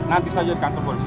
nanti saya jadikan kebun disini